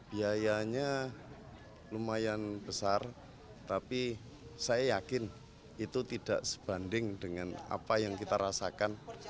biayanya lumayan besar tapi saya yakin itu tidak sebanding dengan apa yang kita rasakan